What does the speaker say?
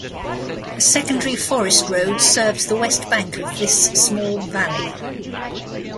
A secondary forest road serves the west bank of this small valley.